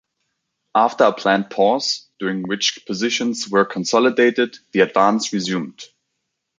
After a planned pause, during which positions were consolidated, the advance resumed.